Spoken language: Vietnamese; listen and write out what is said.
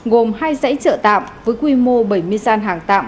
gồm hai giãy chợ tạm với quy mô bảy mươi san hàng tạm